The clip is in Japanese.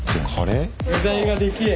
具材がでけえ。